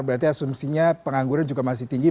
berarti asumsinya pengangguran juga masih tinggi